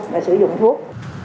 và sử dụng thuốc